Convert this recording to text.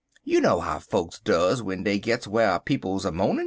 You know how fokes duz w'en dey gits whar people's a moanin'."